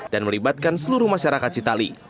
dan melibatkan seluruh masyarakat citali